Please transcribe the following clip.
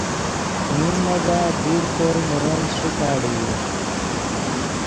مند مگاہ دیر کوئے نے ون چے ݰیکاڑئی